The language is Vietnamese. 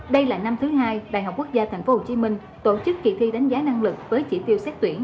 đây là năm thứ hai đại học quốc gia tp hcm tổ chức kỳ thi đánh giá năng lực với chỉ tiêu xét tuyển